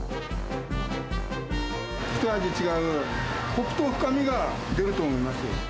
ひと味違う、こくと深みが出ると思います。